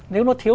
nếu nó thiếu